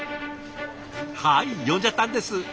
はい呼んじゃったんです。